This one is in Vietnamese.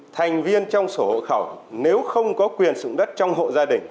thành viên trong sổ hộ khẩu nếu không có quyền sử dụng đất trong hộ gia đình